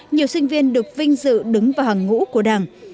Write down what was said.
nhiều sinh viên được vinh dự đứng vào hàng ngũ của đảng